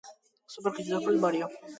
საფრანგეთის დედოფალ მარია მედიჩის მამა.